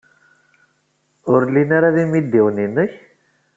Ur llin ara d imidiwen-nnek?